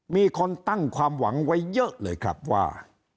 มีคนตั้งความหวังไว้เยอะเลยครับว่า